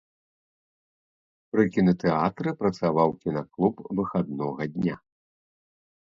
Пры кінатэатры працаваў кінаклуб выхаднога дня.